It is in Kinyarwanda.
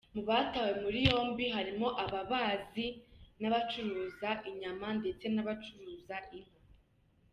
Mu batawe muri yombi harimo ababazi n’abacuruza inyama ndetse n’abacuruza inka.